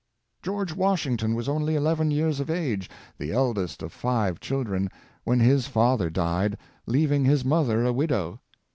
George Washington vv^as only eleven years of age — the eldest of five children — when his father died, leav incr his mother a widow.